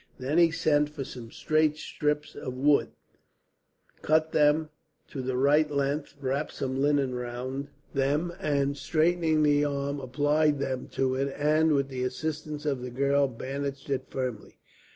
Then he sent for some straight strips of wood, cut them to the right length, wrapped some linen round them and, straightening the arm, applied them to it and, with the assistance of the girl, bandaged it firmly.